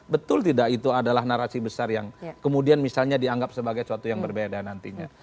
betul tidak itu adalah narasi besar yang kemudian misalnya dianggap sebagai suatu yang berbeda nantinya